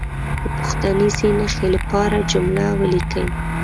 د پوښتنیزې نښې لپاره جمله ولیکي.